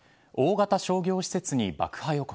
大型商業施設に爆破予告。